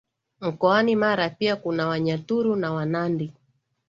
mkoani Mara pia kuna Wanyaturu na Wanandi